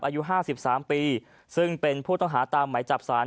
อายุห้าสิบสามปีซึ่งเป็นผู้ต้องหาตามไหมจับสาร